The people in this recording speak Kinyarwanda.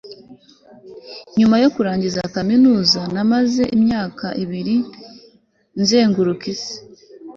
nyuma yo kurangiza kaminuza, namaze imyaka ibiri nzenguruka isi